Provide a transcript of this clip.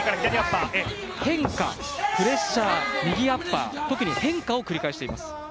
変化、プレッシャー、右アッパー特に変化を繰り返しています。